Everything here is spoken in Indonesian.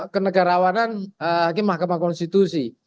kenegarawanan hakim mahkamah konstitusi